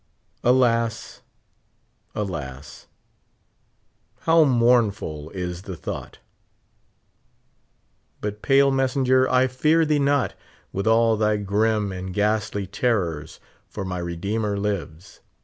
Alas ! alas ! how mournful is the thought ! But, pale messenger, I fear thee not, with all thy grim and ghastly terrors, for m}' Redeemer lives.